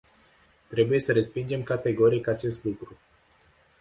Trebuie să respingem categoric acest lucru.